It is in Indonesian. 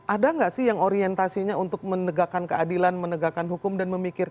ada nggak sih yang orientasinya untuk menegakkan keadilan menegakkan hukum dan memikirkan